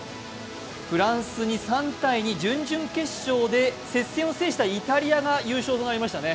フランスに３−２、準々決勝で接戦を制したイタリアが優勝となりましたね。